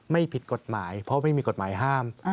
ไม่ผิดกฎหมายเพราะไม่มีกฎหมายห้าม